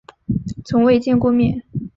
从未见过面